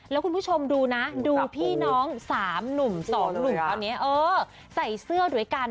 แล้วคุณผู้ชมดูนะดูพี่น้อง๓หนุ่ม๒ลูก